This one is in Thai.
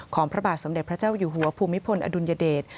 พระบาทสมเด็จพระเจ้าอยู่หัวภูมิพลอดุลยเดช